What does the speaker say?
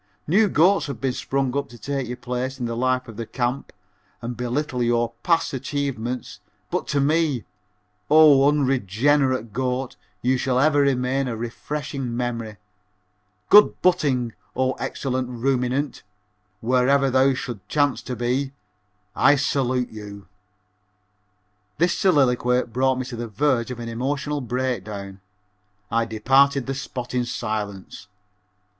New goats have sprung up to take your place in the life of the camp and belittle your past achievements, but to me, O unregenerate goat, you shall ever remain a refreshing memory. Good butting, O excellent ruminant, wherever thou should chance to be. I salute you." This soliloquy brought me to the verge of an emotional break down. I departed the spot in silence.